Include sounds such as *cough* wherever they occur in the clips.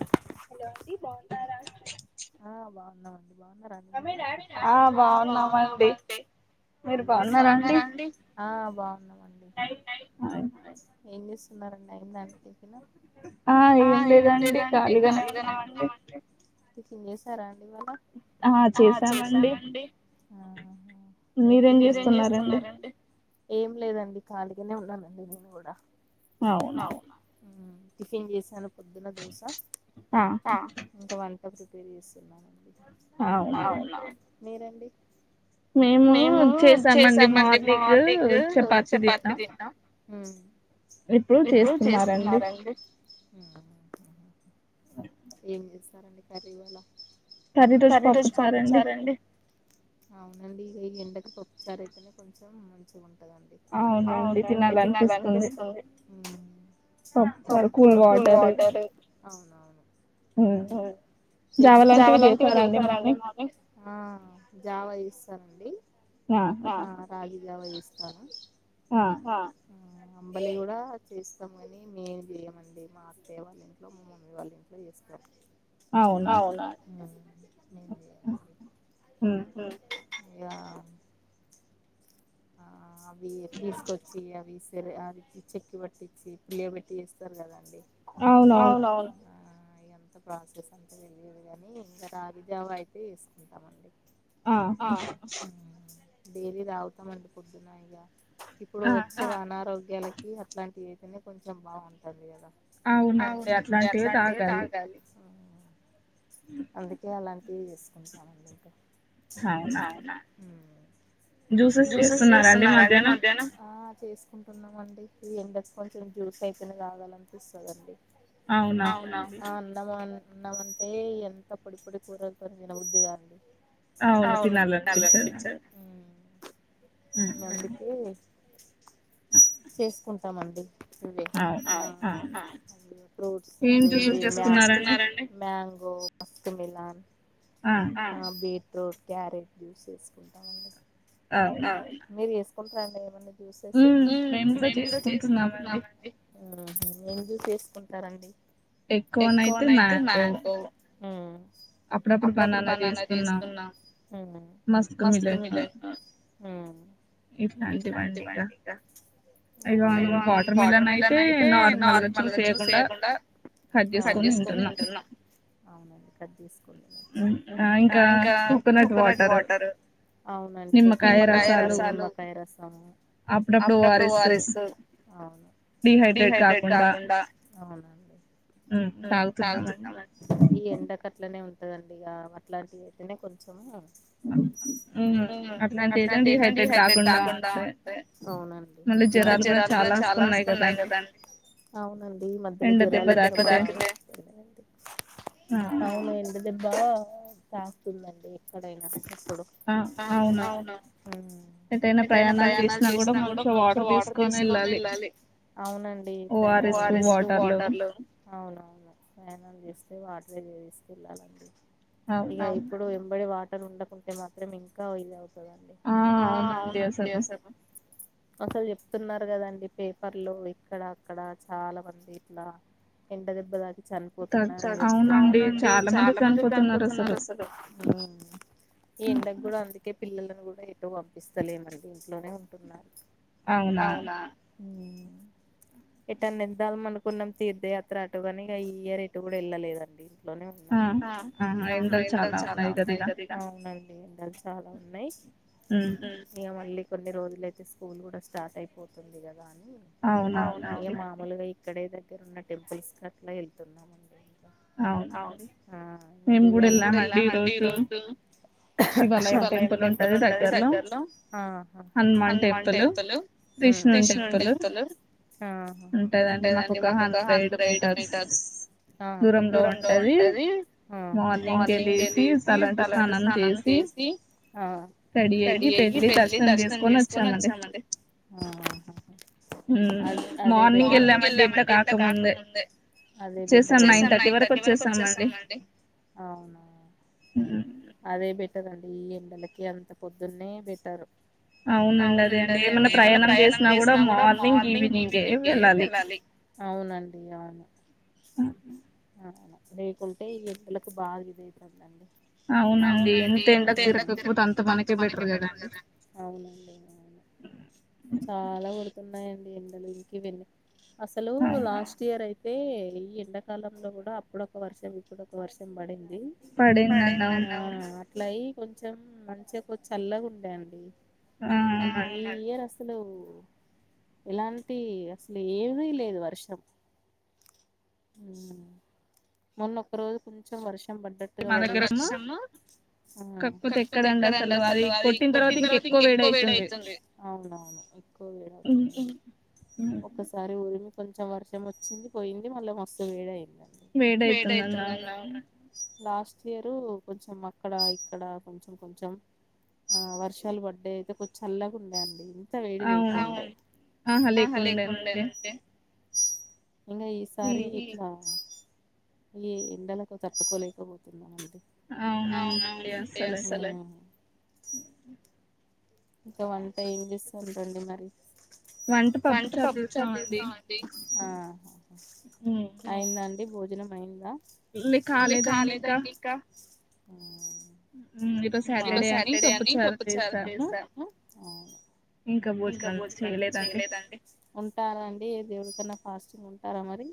Hello అండి బావున్నారా ఆ బాగున్నామండి మీరు బాగున్నారండీ బాన్ టయి ఏం చేస్తున్నారండి అయిందా అండి టిఫిన్ ఆ ఏం లేదండి ఖాళీగానే ఉన్నామండి టిఫిన్ చేశారండి మరి ఆ చేసామండి మీరేం చేస్తున్నారండి ఏం లేదండి ఖాళీగానే ఉన్నానండి నేను కూడా అవునా. టిఫిన్ చేసాను పొద్దున్న దోశ. ఆ ఒక వన్. ఇ ప్రిపేర్ చేస్తున్నాను అండి. అవునా. మీరండి. మేము చేసామండి మార్నింగ్ చపాతి తిన్నాం. హ్మ్. ఇప్పుడు చేస్తున్నారండీ. హ్మ్. ఏం చేస్తారండీ కర్రీ ఇవాళ కర్రీ ఈ రోజు పప్పుచారు అండి. అవునండి ఇక ఈ ఎండకు పప్పుచారు అయితేనే కొంచం మంచిగా ఉంటది. ంటాదండి అవునండి తినాలి అనిపిస్తుంది. ఆ పప్పుచార్ కూల్ వాటర్. అవునవును జావ లాంటివి చేసారండి మార్నింగ్ ఆహ జావ చే సరి అండి. ఆహ రాజు. జావ చేస్తారా. ఆహ. అంబలి కూడా చేస్తాము అని మేము చేయమండి మా అత్తయ్య వాళ్ళ ఇంట్లో మా మమ్మీ వాళ్ళ ఇంట్లో చేస్తారు. అవున హ్మ్ యా. ఆ అవి తీసుకొచ్చి అవి. సరే అది చెక్ పట్టిచ్చి పులియపెట్టి చేస్తారు కదండి. అవును అవును. అంత ప్రాసెస్ అంత తెలియదు కాని ఇంకా రాగి జావా అయితే ఏసుకుంటామండి. ఆహ. డైలీ తావు. మండ పొద్దునయిగా. ఇప్పుడు వచ్చే అనారో. గలకి అట్లాంటివి అయితేనే కొంచెం బాగుంటుంది కదా. అవునండి అట్లాంటివి తాగాలి. అందుకే అలాంటి టీ చేసుకుంటామంటి ఇంకా స జ్యూసెస్ చేస్తున్నారండి మధ్యానం చేసుకుంటున్నాం అండి ఇ ఎండకు కొంచెం జ్యూస్ ఎక్కువ తాగాలనిపిస్తుందిండి అవునా అందరూ అదే అన్నమంటే ఎంత పొడి పొడి కూరలుతో తినబద్దిగా అండి అవును తినాలి అనిపించదు అందుకే చేసుకు తమడి ఫ్రూట్స్ అదే ఓ మస్క్ మిలన్ ఆ బే ఇప్పు క్యారెట్ జ్యూస్ వేసుకుంటామండి మీరూ చేసుకు ఉంే జ్యూసెస్ మేము కూడా చేసుకుంటున్నామండి ఆ ఏం జ్యూస్ చేసుకుంటారండి ఎక్కువనయితే మ్యాంగో అప్పుడప్పుడు బనానా చేస్తున్నా మస్క్ మిలన్ ఆ ఇట్లాంటివన్నీ ఇ వాటర్ మిలన్ అయితే నార్మల్ గా జ్యూస్ చేసుకోకుండా కట్ చేసుకుని తింటున్నాం ఇంకా కోకోనట్ వాటర్ అవునండి కో నిమ్మకాయ రసాలు అప్పుడప్పుడు ఓవరాస్ డిహైడ్రేట్ కాకుండా అ మ్ తాగుతున్నామండి, ఈ ఎండాకాల అట్లనే ఉంటందండి ఇక అట్లాంటివి అయితేనే కొంచం అట్లాంటివే ఏదైనా డీహైడ్రేట్ కాకుండా అంటే అవునండి ఇ జరాలు కూడా చాలా వస్తున్నాయి కదండి అవునండి ఈ మధ్య అవును వెళ్ంట దబా చస్తుందండి ఎక్కడైనా ఎప్పుడు అవును ఎంటైనా ప్రయాణాలు చేసినా కూడా కొంచెం వాటర్ తీసుకొని వెళ్ళాలి అవునండి ఫారెస్ట్లు వాటర్లు అవువు ప్రయాణం చేస్తే వాటర్ తీసుకు వెళ్ళాలండి అయ్య ఇప్పుడు ఎంబడి వా ఇ ఉండకుంటే మాత్రం ఇంకా ఇదావు ఆ అవునండి అసలు అసలు చెప్తున్నారు కదండి పేపర్లు ఇక్కడ అక్కడ చాలా మంది ఇట్లా ఎండ దెబ్బ తగిలి చనిపోతున్నారు అవునండి చాలా మంది చనిపోతున్నారు అసలు ఆ ఈ ఎండకు కూడా అందుకే పిల్లలను కూడా ఎటుపంపిస్తా లేమండి ఇంట్లోనే ఉంటున్నారు అవునా ఎటా నిద్దాల అనుకున్నాం తీర్దే ఇ అటుగానిఈ ఇయర్ ఏటు కూడా వెళ్ళలేదండి నే ఉన్నా ఏండలు ఆహా చాలా ఉన్నాయి గదిగా ఉన్నాడి ఎండలు చాలా ఉన్నాయి హ్మ్ ఇగ మళ్ళి *unintelligible* కొన్ని రోజులు అయితే స్కూల్ కూడా స్టార్ట్ అయిపోతుంది కదా అని ఆవునా ఇగ మాములుగా ఇ ఇక్కడ ఏదంటే అట్లా *unintelligible* టెంపుల్స్ అట్లా వెళ్తున్నామండి అవు మేము కూడా వెళ్ళామండి ఈ రోజు శివ లయం టెంపుల్ ఉంటది దగ్గర్లో హనుమాన్ టెంపుల్ కృష్ణు టెంపుల్ ఉంటాదండి మాకు హండ్రెడ్ మీటర్స్ దూరంలో ఉంటది మార్నింగ్ వెళ్ళేసి తలాంట స్నానం చేసి రెడీ అయ్యి వెళ్ళి దర్శనం చేసుకొని వచ్చామండి హ్మ్ మార్నింగ్ వెళ్ళామండి ఎంత కాక కాకముందే వచ్చేసాం నైన్ థర్టీ వరకు వచ్చేసాంమండి అవునా అదే బెట పెట్టదండి *unintelligible* ఈ ఎండలకి అంత పొద్దున్నే బెట్టారు అవునండి అదే అండి ఏమైన్నా ప్రయాణం చేసినా కూడా మార్నింగ్ ఈవినింగే వెళ్ళాలి అవునండి అవును అవును అవును లేకుంటే ఈ ఇల్లలకు బాగా ఇద అవుతుందండి అవునండి ఎంత ఎండకు తిరకపోతే అంత మనకే బెటరు కదండి అవునండి అవును చాలా ఉన్నాయండి ఎండలు ఇంకివన్నీ లో లాస్ట్ ఇయర్ అయితే, అయితే ఈ ఎండాకాలంలో కూడా అప్పుడొక వర్షం ఇప్పుడుొ ఒక వర్షం పడింది. పడేందివు అట్లాయి కొంచెం మంచిగా చల్లగా ఉండేయండి. ఆ ఇ రస్త అసలు ఇలాంటి అసలు ఏమిది లేదు వర్షం మొన్న ఒక్క రోజు కొంచెం వర్షం వర్ కాకపోతే ఎక్కదండి. అసలు అది కొట్టిన తర్వాత ఇంక ఎక్కువ వేడ అవుతుంది. అవునవును ఎక్కువ వేవుతుంది. ఒకసారిఊరిమి కొంచెం వర్షం వచ్చింది పోయింది. మళ్ళీ మస్తు వేడ అయింది. వేడయితుందన్నవునను లాస్ట్ ఇయరు కొంచెం అక్కడ ఇక్కడ కొంచెం కొంచెం వర్షాలు బత్డే అయితే కొంచ చల్లగా ఉండేయంండి. వేడి లే లేకుడా ఇంగ ఈసారి ఇ ఈ ఎండలకు తట్టుకోలేకపోతున్నానండి. అవునవునండి అసలే ఇంకా వంట ఇంగ్లిస్ ఉంటండి మరి వంట పప్పు చారు అయిందండి భోజ అనమైందా? లే కాలేదండి ఇంకా ఆ ఇ సాటర్డే అని పబ్బ చారుచే ఆ ఇంకా భోజనం చేయలేదండి ఉంటారండి. దేవురికన్నా ఫాస్టింగ్ ఉంటారా మరి,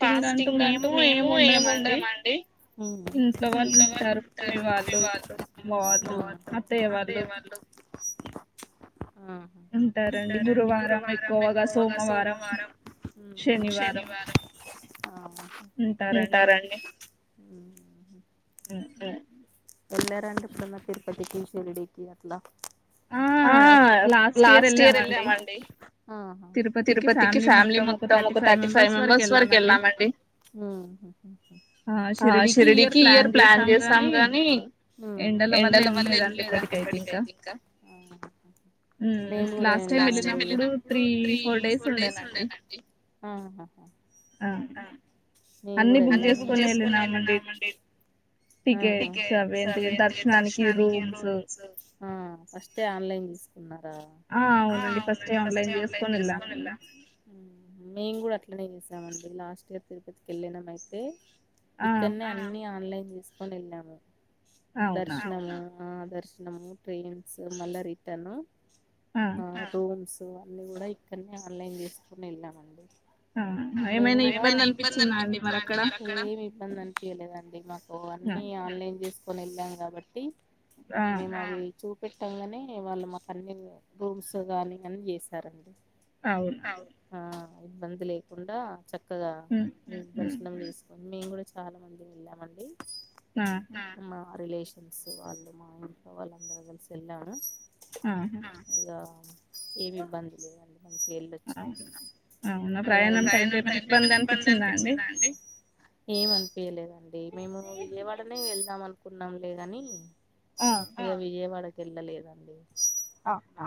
ఫాస్టింగ్ అంటూ మేము ఏమి ఉండమండి. కొంచవాళ్ళు ఉంటారుప్పేవాళ్ళు అత్తయ్యవాళ్ళు, హ ఉంటారండి గురువారం, ఎక్కువగా సోమవారం, శనివారం ఉంటారంండి. ఉ *inaudible* అ *inaudible* ఎల్ రం ఇప్పుడున్న తిరుపతికి చెెల్డికి అట్లా, ఆ లాస్ట్ ఇయర్ వెళ్ళామండి తిరుపతికి ఫ్యామిలీ మొత్తం ఒక థర్టీ ఫైవ్ మెంబర్స్ వరకు వెళ్ళామండి. షిరిడికి ఇయర్ ప్లాన్ చేసాం గాని ఎండల వల్ల వెళ్ళలేదంటే ఇప్పటికైతే ఇంకా, నేను లాస్ట్ టై వెళ్ళినప్పుడు త్రీ ఫోర్ డేస్ ఉండనండి. అన్ని బుక్ చేసుకుని వెళ్ళినామండి టికెట్స్ అవి ఏంటీ దర్శనానికి రూమ్స్ ఆ ఫస్ట్ ఆన్లైన్ అవునండి ఫస్ట్లై చేసుకోని వెళ్ళేం ప చేసామండి లాస్ట్ ఇయర్ తిరుపతికి వెళ్ళినామ అయితే ఇక్కడినే అని ఆన్లైన్ చేసుకొని వెళ్లేము దర్శనమా ఆ దర్శనము ట్రైన్స్ మళ్ళ రీతి తను ఆ రూమ్స్ సో అన్ని కూడా ఇక్కడనే ఆన్లైన్ చేసుకుని వెళ్ళామండి ఆ ఏమైనా ఇబ్బంది అనిపించిందా అండి మరి అక్కడ ఇబ్బంది అనిపియలేదు అండి మా ఓ అన్ని ఆన్లైన్ చేసి *unintelligible* వెళ్ళాం కాబట్టి మేము ఆది చూ పెట్టంగానే వాళ్ళు మాకు అన్ని రూమ్స్ గానీ అని చేసారండి ఆ ఇబ్బంది లేకుండా చక్క చక్కగా దర్శనం తీసుకుని మేము కూడా చాలా మంది వెళ్ళామండి మా రిలేషన్ ఫ్రెండ్స్ వాళ్ళు మా ఇంట్లో వాళ్ళ అందరూ కలిసి వెళ్ళాము అద ఏమి ఇబంది ప్రయాణం టైంలో ఏమైనా ఇబ్బంది అనిపించిందా అండి ఏం అనిపయలే అండి మేము విజయవాడనే వెళ్దాం అను కున్నాంలేగాని అ విజయవాడకి వెళ్ళలేదండి అ ఆ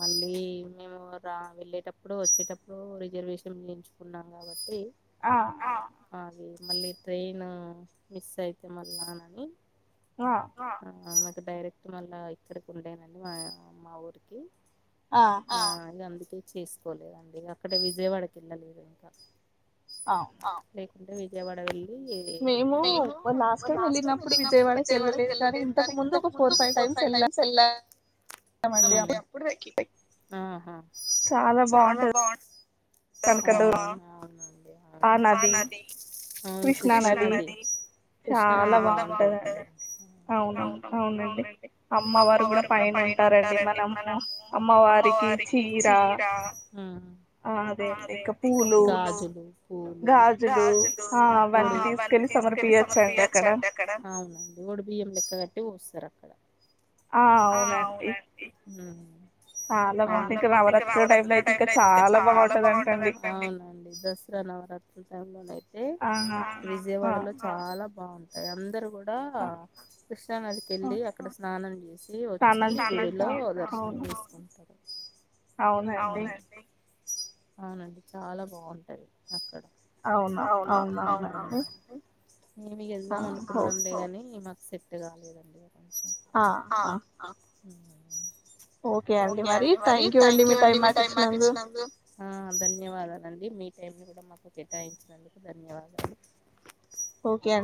మళ్ళీ మేము రా వెళ్ళేటప్పుడు వచ్చేటప్పుడు రిజర్వేషన్ ఎంచుకున్నాం కాబట్టి ఆ మళ్ళీ ట్రైను మిస్ అయితే మళ్ళానని ఆ డైరెక్ట్ మళ్ళ. అక్కడికి వెళ్ళామండి మా మా ఊరికి. ఆ చేసుకోలేదండి అక్కడే విజయవాడకి వెళ్ళలేదు ఇంకా. ఆ విజయవాడ వెళ్ళి. మేము లాస్ట్ టైమ్ వెళ్ళినప్పుడు విజయవాడకి ఎళ్ళలేదు కానీ ఇంతకు ముందు ఒక ఫోర్ ఫైవ్ టైమ్స్ వెళ్ళ. సెల్లా ఉమ్ ఆహా చాలా బాగుంటది. దుర్గమ్మ ఆ నది. కృష్ణానది చాలా బాగుంటాది అండి అవు అవునండి. అమ్మవారు కూడా పైన ఉంటారండి మనము అమ్మవారికి చీర అదే ఇంకా పూలు గాజులు. ఆ అవన్నీ తీసుకెళ్లి సమర్పియచండి అక్కడ. ఆ అవునండి. ఉమ్ చ బా ఇంకా నవరాత్రులు టై లో అయితే ఇంకా చాలా బాగుంటాది అవును అవును అందరు కూడా. డా కృష్ణా నదికి ఎళ్లి అక్ అక్కడ స్నానం చేసి వచ్చి గుడి లో దర్శనం చేసుకుంటారు. అవునండి. అవునండి చాలా బాంటది అక్కడ. అవున అవునవును మేమి వెళ్దాం అనుకున్నాంలేగాని మాకు. సెట్ కాలేదండి. ఆ‌ ఆ. ఓకే అండి మరి థ్యాంక్యూ అండి మీ టైం మాకి ఇచ్చినందు ధన్యవాదాలు అండి మీకు. టైమ్ని కూడా మాకు కేటాయించినందుకు ధన్యవాదాలు.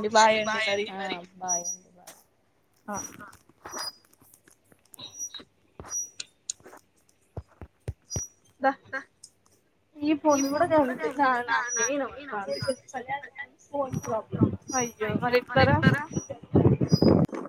ఓకే అండి బాయ్అండి మరి బాయ్. ఆ ద ఈ ఫోన్ కూడా గంతే నాది నాకే ఇనబడ్తాంది ఫోన్ ప్రబ్లం అయ్యో మరి ఎట్లారా